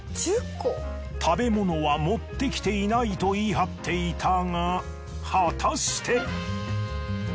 食べ物は持ってきていないと言い張っていたが果たして！？